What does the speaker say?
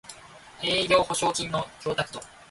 営業保証金の供託等